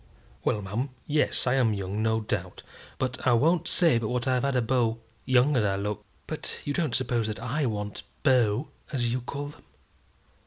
"Well, ma'am yes; I am young, no doubt. But I won't say but what I've had a beau, young as I look." "But you don't suppose that I want beaux, as you call them?"